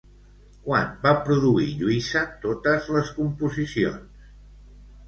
Quan va produir Lluïsa totes les composicions?